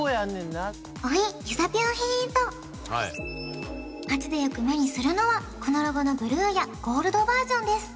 ヒーント街でよく目にするのはこのロゴのブルーやゴールドバージョンです